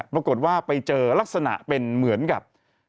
ปรากฏว่าไปเจอลักษณะเป็นเหมือนกับ